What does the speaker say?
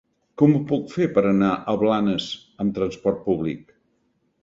Com ho puc fer per anar a Blanes amb trasport públic?